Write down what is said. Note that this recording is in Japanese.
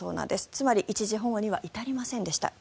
つまり一時保護には至りませんでした。